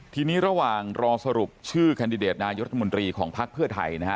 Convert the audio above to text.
ทีนี้ระหว่างรอสรุปชื่อแคนดิเดตนายกรัฐมนตรีของภักดิ์เพื่อไทยนะฮะ